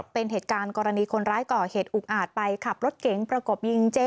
เป็นเหตุการณ์กรณีคนร้ายก่อเหตุอุกอาจไปขับรถเก๋งประกบยิงเจ